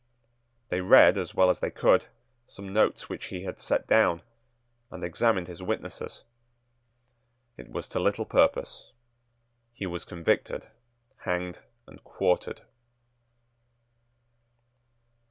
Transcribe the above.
They read as well as they could some notes which he had set down, and examined his witnesses. It was to little purpose. He was convicted, hanged, and quartered.